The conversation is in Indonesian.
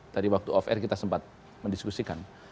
tadi waktu off air kita sempat mendiskusikan